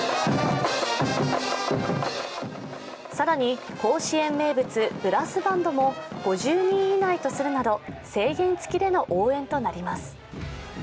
更に甲子園名物、ブラスバンドも５０人以内とするなど制限つきでの応援となります。